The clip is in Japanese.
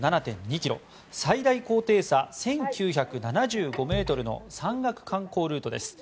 最大高低差１９７５ｍの山岳観光ルートです。